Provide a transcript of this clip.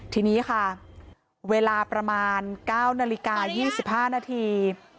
ทีนี้ค่ะเวลาประมาณ๙นาฬิกา๒๕นาที